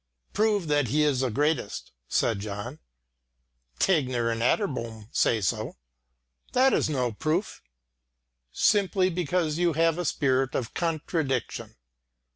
"Prove that he is the greatest," said John. "Tegner and Atterbom say so." "That is no proof." "Simply because you have a spirit of contradiction."